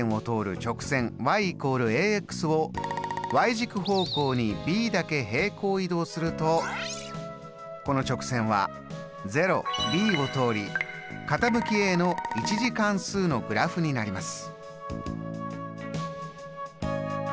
軸方向にｂだけ平行移動するとこの直線はを通り傾きの１次関数のグラフになります。